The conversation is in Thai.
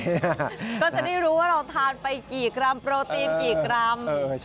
ก็จะได้รู้ว่าเราทานไปกี่กรัมโปรตีนกี่กรัม